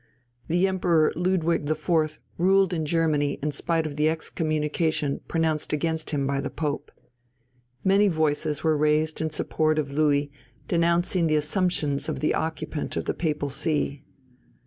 The Emperor Ludwig IV. ruled in Germany in spite of the excommunication pronounced against him by the Pope. Many voices were raised in support of Louis denouncing the assumptions of the occupant of the Papal See.